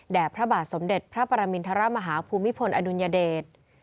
พระบาทสมเด็จพระปรมินทรมาฮาภูมิพลอดุลยเดช